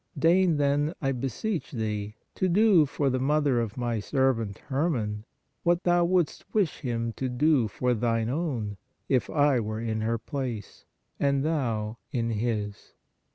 Deign then, I beseech Thee, to do for the mother of my servant Herman, what Thou wouldst wish him to do for Thine own, if I were in her place, and Thou in his